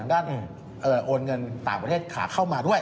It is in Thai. ด้านโอนเงินต่างประเทศขาเข้ามาด้วย